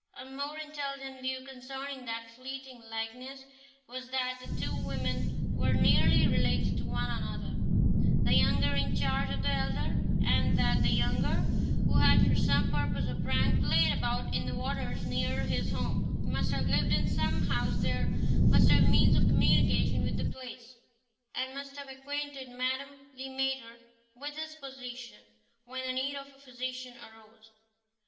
A more intelligent view concerning that fleeting likeness was that the two women were nearly related to one another, the younger in charge of the elder; and that the younger, who had for some purpose or prank played about in the waters near his home, must have lived in some house there, must have means of communication with the place, and must have acquainted Madame Le Maître with his position when the need of a physician arose.